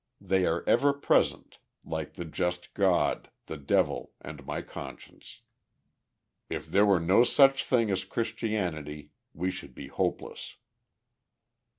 They are ever present, like the just God, the devil, and my conscience. "If there were no such thing as Christianity we should be hopeless."